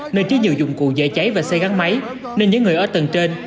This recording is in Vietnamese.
nơi chứa nhiều dụng cụ dạy cháy và xây gắn máy nên những người ở tầng trên